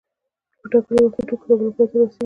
چي په ټاکلي وخت کي ټول کتابونه پاي ته رسيږي